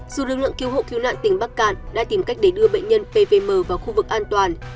dù lực lượng cứu hộ cứu nạn tỉnh bắc cạn đã tìm cách để đưa bệnh nhân pvm vào khu vực an toàn